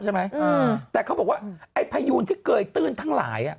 ใช่ไหมอ่าแต่เขาบอกว่าไอ้พยูนที่เกยตื้นทั้งหลายอ่ะ